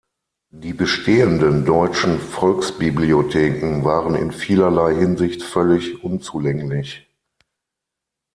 Die bestehenden deutschen Volksbibliotheken waren in vielerlei Hinsicht völlig unzulänglich.